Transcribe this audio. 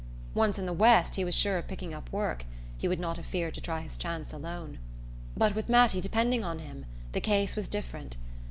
Once in the West he was sure of picking up work he would not have feared to try his chance alone. But with Mattie depending on him the case was different.